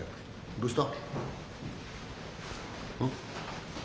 どうした？